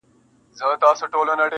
چي لارښود وي چي ښوونکي استادان وي -